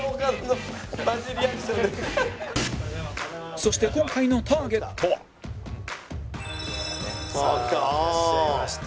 そして今回のターゲットはああ来た。